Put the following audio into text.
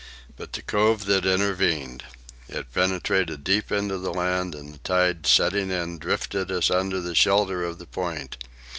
But the cove that intervened! It penetrated deep into the land, and the tide, setting in, drifted us under the shelter of the point.